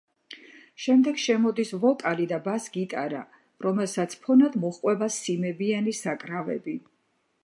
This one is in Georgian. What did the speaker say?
შემდეგ შემოდის ვოკალი და ბას-გიტარა, რომელსაც ფონად მოჰყვება სიმებიანი საკრავები.